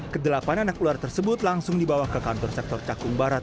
kedelapan anak ular tersebut langsung dibawa ke kantor sektor cakung barat